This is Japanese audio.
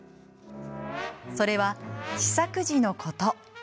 それは、試作時のこと。